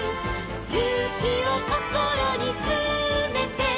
「ゆうきをこころにつめて」